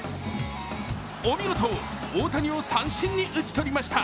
お見事、大谷を三振に打ち取りました。